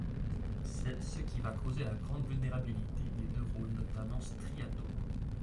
C’est ce qui va causer la grande vulnérabilité des neurones, notamment striataux.